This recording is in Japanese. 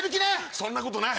そんなことない！